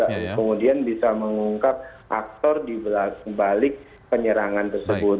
kemudian bisa mengungkap aktor di balik penyerangan tersebut